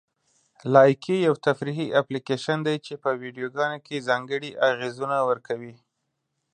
لایکي یو تفریحي اپلیکیشن دی چې په ویډیوګانو کې ځانګړي اغېزونه ورکوي.